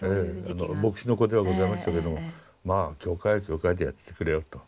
牧師の子ではございましたけどもまあ教会は教会でやってくれよと。